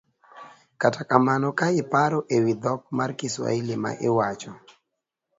Kata kamano ka iparo e wi dhok mar Kiswahili ma iwacho,